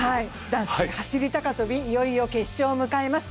男子走高跳、いよいよ決勝を迎えます。